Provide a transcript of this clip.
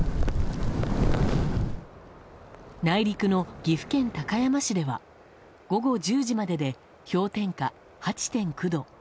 内陸の岐阜県高山市では午後１０時までで氷点下８．９度。